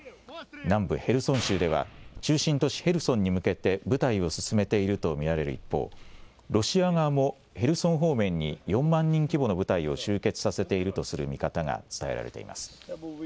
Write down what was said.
南部ヘルソン州では、中心都市ヘルソンに向けて部隊を進めていると見られる一方、ロシア側もヘルソン方面に４万人規模の部隊を集結させているとする見方が伝えられています。